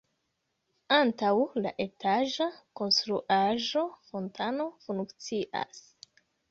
Antaŭ la etaĝa konstruaĵo fontano funkcias.